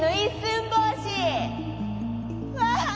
「うわ」。